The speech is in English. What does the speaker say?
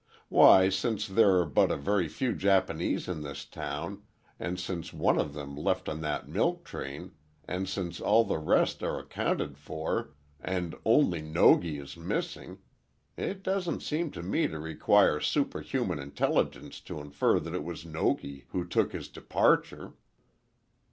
Why, since there are but a very few Japanese in this town, and since one of them left on that milk train, and since all the rest are accounted for, and only Nogi is missing—it doesn't seem to me to require superhuman intelligence to infer that it was Nogi who took his departure."